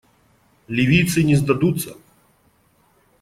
Ливийцы не сдадутся.